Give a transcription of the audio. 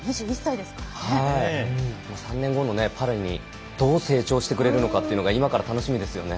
３年後のパリにどう成長してくれるのか今から楽しみです。